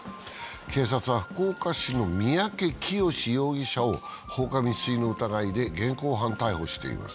警察は福岡市の三宅潔容疑者を放火未遂の疑いで現行犯逮捕しています。